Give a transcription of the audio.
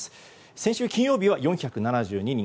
先週金曜日は４７２人。